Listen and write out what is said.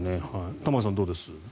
玉川さんはどうです？